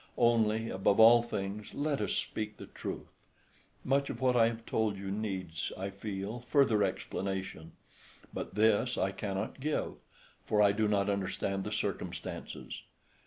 Only, above all things, let us speak the truth. Much of what I have told you needs, I feel, further explanation, but this I cannot give, for I do not understand the circumstances.